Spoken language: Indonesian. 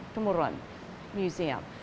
dan di tumurun juga ada museum museum